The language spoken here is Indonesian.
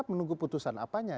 menunggu putusan apanya